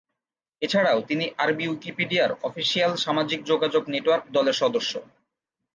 এছাড়াও, তিনি আরবি উইকিপিডিয়ার অফিসিয়াল সামাজিক যোগাযোগ নেটওয়ার্ক দলের সদস্য।